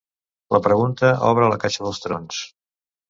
La pregunta obre la caixa dels trons.